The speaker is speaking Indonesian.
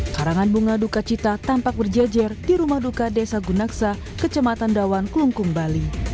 karangan bunga duka cita tampak berjejer di rumah duka desa gunaksa kecamatan dawan klungkung bali